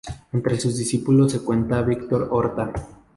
Entre sus discípulos se cuenta Victor Horta.